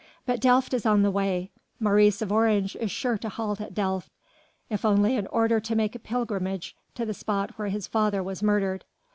But Delft is on the way.... Maurice of Orange is certain to halt at Delft, if only in order to make a pilgrimage to the spot where his father was murdered.